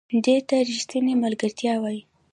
دې ته ریښتینې ملګرتیا وایي .